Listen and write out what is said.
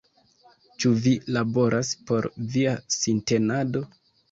Ĉu vi laboras por via sintenado?